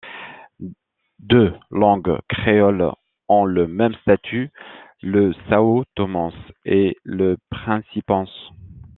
Deux langues créoles ont le même statut, le sãotomense et le principense.